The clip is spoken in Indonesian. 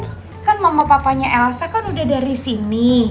kan mama papanya elsa kan udah dari sini